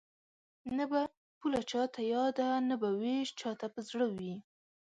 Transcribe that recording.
نه به پوله چاته یاده نه به وېش چاته په زړه وي